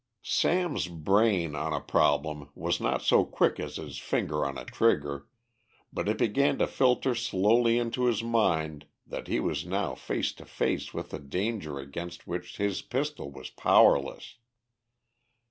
Sam's brain on a problem was not so quick as his finger on a trigger, but it began to filter slowly into his mind that he was now face to face with a danger against which his pistol was powerless.